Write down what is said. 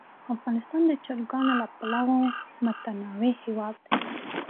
افغانستان د چرګانو له پلوه متنوع هېواد دی.